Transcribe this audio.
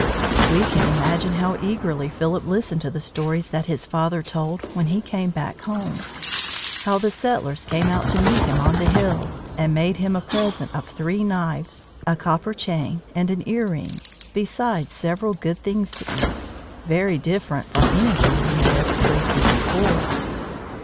We can imagine how eagerly Philip listened to the story that his father told when he came back home: how the settlers came out to meet him on the hill, and made him a present of three knives, a copper chain, and an ear ring, besides several good things to eat, very different from anything he had ever tasted before.